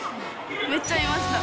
めっちゃいました。